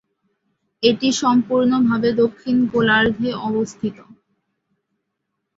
এটি সম্পূর্ণভাবে দক্ষিণ গোলার্ধে অবস্থিত।